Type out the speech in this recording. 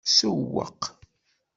Sewweq.